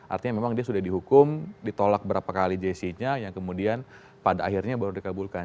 artinya memang dia sudah dihukum ditolak berapa kali jessica yang kemudian pada akhirnya baru dikabulkan